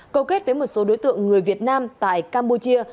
cầu kết với một số đối tượng người việt nam tại campuchia